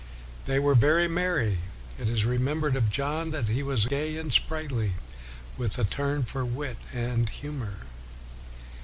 They were very merry. It is remembered of John that he was " gay and sprightly, with a turn for wit and humor."